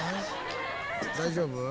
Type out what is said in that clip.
大丈夫？